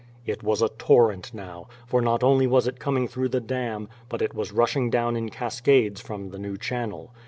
It was a torrent now, for not only was it coming through the dam, but it was rushing down in cascades from the new channel.